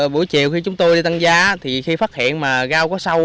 buổi chiều khi chúng tôi đi tăng giá khi phát hiện rau có sâu